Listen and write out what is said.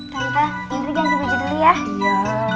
tante nanti ganti baju dulu ya